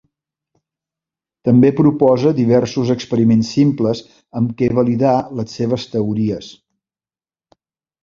També proposa diversos experiments simples amb què validar les seves teories.